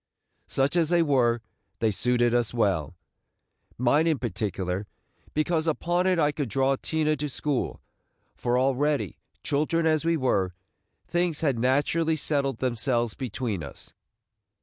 Such as they were, they suited us well, – mine in particular, because upon it I could draw Tina to school; for already, children as we were, things had naturally settled themselves between us.